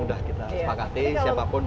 sudah kita sepakati siapapun